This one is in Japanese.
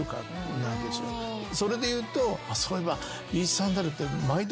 それでいうとそういえば。